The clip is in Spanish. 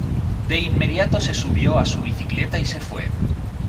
De inmediato se subió a su bicicleta y se fue.